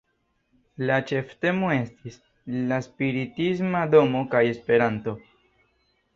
La ĉeftemo estis "La Spiritisma Domo kaj Esperanto".